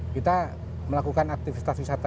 kita melakukan aktivitas wisata